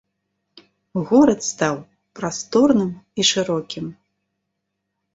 Горад стаў прасторным і шырокім.